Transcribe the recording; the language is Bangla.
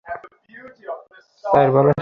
আশেপাশে কোনো মন্দির ছিল নাকি?